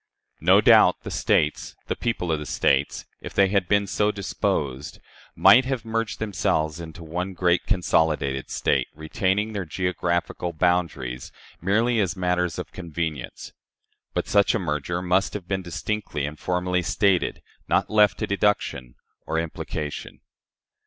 No doubt, the States the people of the States if they had been so disposed, might have merged themselves into one great consolidated State, retaining their geographical boundaries merely as matters of convenience. But such a merger must have been distinctly and formally stated, not left to deduction or implication.